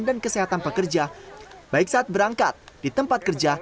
dan kesehatan pekerja baik saat berangkat di tempat kerja